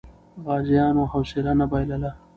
غازیانو حوصله نه بایله.